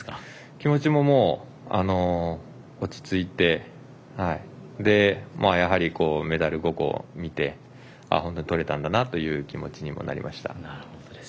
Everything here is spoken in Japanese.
気持ちも落ち着いてやはりメダル５個を見て本当に取れたんだなという気持ちにもなりました。